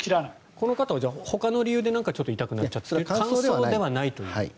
この方はほかの理由で痛くなっちゃって乾燥ではないと。